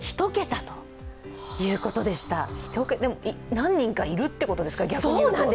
何人かいるってことですか、逆に言うと？